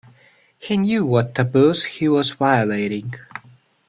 He knew what taboos he was violating.